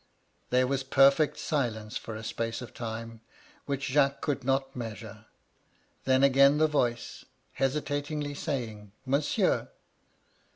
" There was perfect silence for a space of time which 190 MY LADY LUDLOW. Jacques could not measure. Then again the TOice, hesitatingly^ saying, ^ Monsieur